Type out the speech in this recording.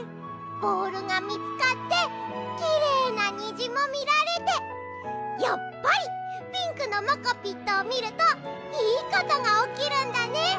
ボールがみつかってきれいなにじもみられてやっぱりピンクのモコピットをみるといいことがおきるんだね。